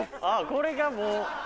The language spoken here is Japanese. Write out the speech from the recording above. ああこれがもう。